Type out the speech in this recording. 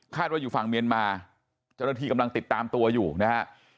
ว่าอยู่ฝั่งเมียนมาเจ้าหน้าที่กำลังติดตามตัวอยู่นะฮะ